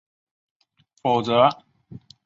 否则完全可能受到各强富之国的干预制裁。